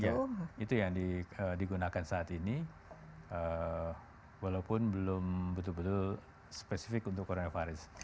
ya itu yang digunakan saat ini walaupun belum betul betul spesifik untuk coronavirus